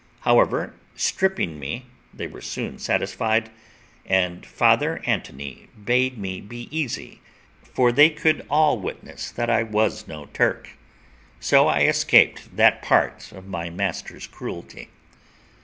However, stripping me, they were soon satisfied, and Father Antony bade me be easy, for they could all witness that I was no Turk. So I escaped that part of my master's cruelty.